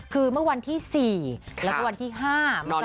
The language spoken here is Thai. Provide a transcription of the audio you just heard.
คือเมื่อวันที่๔และวันที่๕มันจะลากกลุ่ม